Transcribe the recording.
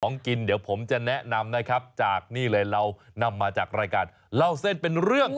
กินเดี๋ยวผมจะแนะนำนะครับจากนี่เลยเรานำมาจากรายการเล่าเส้นเป็นเรื่อง